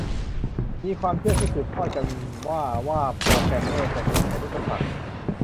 มีความเชื่อที่สืบทอดกันว่าว่าโปรแกรมเมอร์จะเก่งคณิตศาสตร์